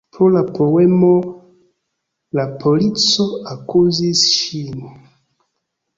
Pro la poemo la polico akuzis ŝin.